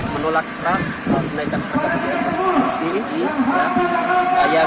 menolak keras kenaikan harga bbm